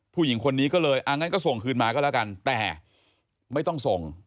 ผู้หญิงคนนี้ก็เลยอ่ะงั้นก็ส่งคืนมาก็แล้วกันแต่ไม่ต้องส่ง